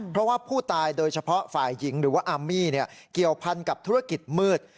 เพราะว่าผู้ตายโดยเฉพาะฝ่ายหญิงหรือว่าอามมี่เกี่ยวพันกับธุรกิจมืด